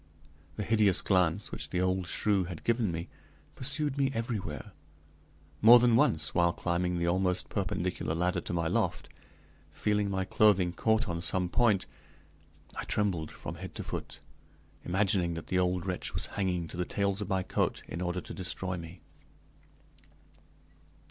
The hideous glance which the old shrew had given me pursued me everywhere. More than once, while climbing the almost perpendicular ladder to my loft, feeling my clothing caught on some point, I trembled from head to foot, imagining that the old wretch was hanging to the tails of my coat in order to destroy me.